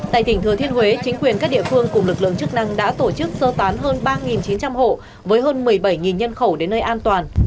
tại tỉnh thừa thiên huế chính quyền các địa phương cùng lực lượng chức năng đã tổ chức sơ tán hơn ba chín trăm linh hộ với hơn một mươi bảy nhân khẩu đến nơi an toàn